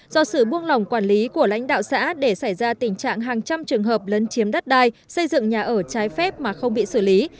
do sự buông lỏng quản lý của lãnh đạo xã để xảy ra tình trạng hàng trăm trường hợp lấn chiếm đất đai xây dựng nhà ở trái phép mà không bị xử lý